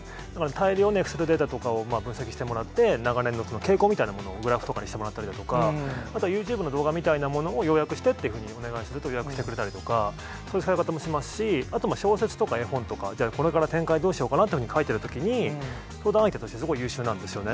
大量のエクセルデータを分析してもらって、長年の傾向みたいなものをグラフとかにしてもらったりだとか、あとはユーチューブの動画みたいなものも要約してってお願いすると訳してくれたりとか、そういう使い方もしますし、あと小説とか絵本とか、じゃあこれから展開どうしようかなと書いてるときに、そういうときすごい優秀なんですよね。